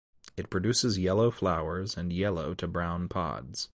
It produces yellow flowers and yellow to brown pods.